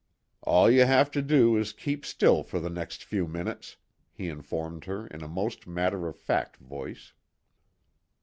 "All you have to do is to keep still for the next few minutes," he informed her in a most matter of fact voice.